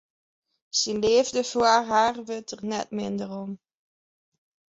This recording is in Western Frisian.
Syn leafde foar har wurdt der net minder om.